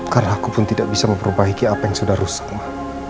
karena aku pun tidak bisa memperbaiki apa yang sudah rusak ma